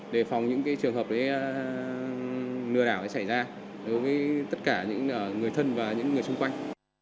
đề phòng những trường hợp lừa đảo xảy ra đối với tất cả những người thân và những người xung quanh